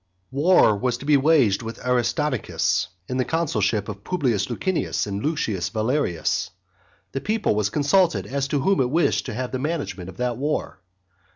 VIII. War was to be waged against Aristonicus in the consulship of Publius Licunius and Lucius Valerius. The people was consulted as to whom it wished to have the management of that war.